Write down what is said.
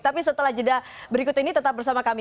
tapi setelah jeda berikut ini tetap bersama kami